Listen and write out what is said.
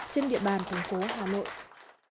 trên địa bàn tp hà nội